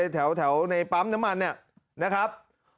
แถวในปั๊มน้ำมันเนี่ยนะครับ